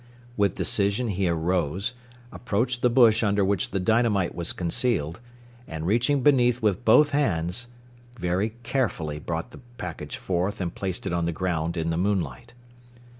With decision he arose, approached the bush under which the dynamite was concealed, and reaching beneath with both hands, very carefully brought the package forth and placed it on the ground in the moonlight.